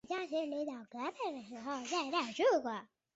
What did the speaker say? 匍枝毛茛为毛茛科毛茛属下的一个种。